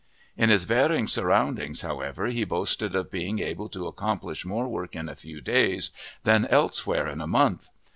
_ In his Waehring surroundings, however, he boasted of being able to accomplish more work in a few days than elsewhere in a month.